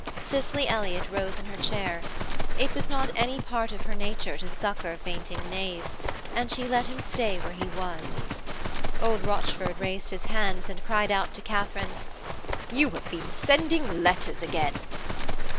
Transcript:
Cicely Elliott rose in her chair: it was not any part of her nature to succour fainting knaves, and she let him stay where he was. Old Rochford raised his hands, and cried out to Katharine: 'You have been sending letters again!'